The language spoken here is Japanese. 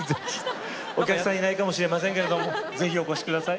お客さんいないかもしれませんけどぜひお越しください。